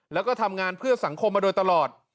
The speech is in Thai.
แล้วก็ทำงานเพื่อสังคมมาโดยตลอด